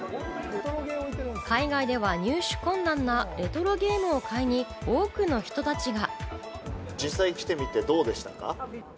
海外では入手困難なレトロゲームを買いに多くの人たちが。